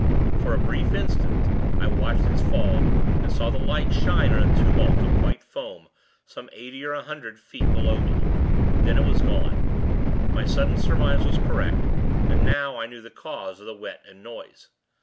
For a brief instant, I watched its fall, and saw the light shine on a tumult of white foam, some eighty or a hundred feet below me. Then it was gone. My sudden surmise was correct, and now, I knew the cause of the wet and noise.